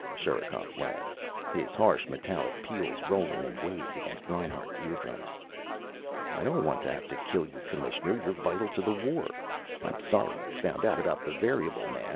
Sherikov laughed, his harsh, metallic peals rolling in waves against Reinhart's eardrums. "I don't want to have to kill you, Commissioner. You're vital to the war: I'm sorry you found out about the variable man.